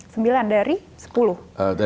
sembilan dari sepuluh